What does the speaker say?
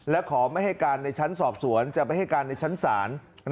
และขอไม่ให้การในชั้นสอบสวนจะไปให้การในชั้นศาล